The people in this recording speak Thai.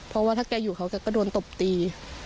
เพราะว่าถ้าแกอยู่เขาก็โดนตบตี